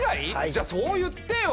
じゃそう言ってよ。